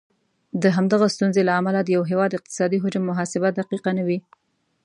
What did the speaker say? د همدغه ستونزې له امله د یو هیواد اقتصادي حجم محاسبه دقیقه نه وي.